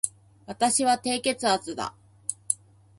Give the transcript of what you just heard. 私は低血圧だ